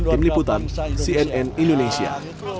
tim liputan cnn indonesia